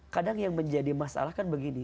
kadang yang menjadi masalah kan begini